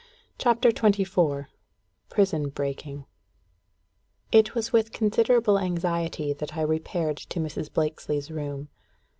CHAPTER XXIV Prison Breaking. It was with considerable anxiety that I repaired to Mrs. Blakesley's room.